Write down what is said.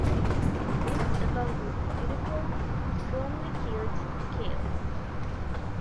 Limbs above with uniform strongly keeled scales.